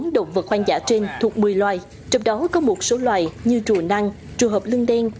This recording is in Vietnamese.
hai mươi bốn động vật hoang dã trên thuộc một mươi loài trong đó có một số loài như trùa năng trùa hộp lưng đen